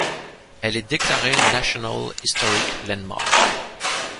Elle est déclarée National Historic Landmark.